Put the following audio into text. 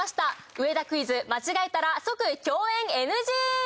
上田クイズ間違えたら即共演ＮＧ！